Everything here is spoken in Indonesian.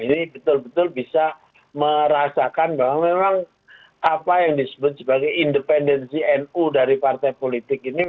ini betul betul bisa merasakan bahwa memang apa yang disebut sebagai independensi nu dari partai politik ini